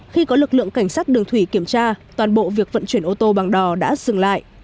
khi có lực lượng cảnh sát đường thủy kiểm tra toàn bộ việc vận chuyển ô tô bằng đò đã dừng lại